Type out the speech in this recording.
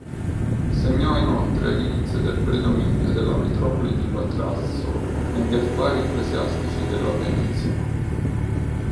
Segnò inoltre l'inizio del predominio della Metropoli di Patrasso negli affari ecclesiastici della penisola.